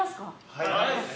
はい！